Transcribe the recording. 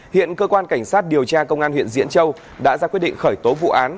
hiện cơ quan cảnh sát điều tra công an huyện diễn châu đã ra quyết định khởi tố vụ án